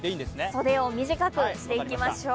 袖を短くしていきましょう。